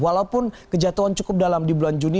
walaupun kejatuhan cukup dalam di bulan juni